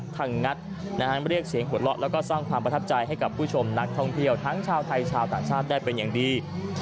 งัดเรียกเสียงหัวเราะแล้วก็สร้างความประทับใจให้กับผู้ชมนักท่องเที่ยวทั้งชาวไทยชาวต่างชาติได้เป็นอย่างดี